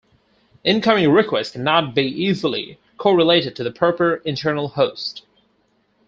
Incoming requests cannot be easily correlated to the proper internal host.